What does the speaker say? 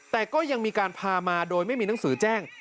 แต่ก็ยังมีการพามาโดยไม่มีหนังสือแจ้ง